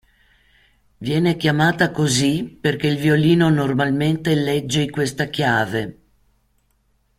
Viene chiamata così perché il violino normalmente legge in questa chiave.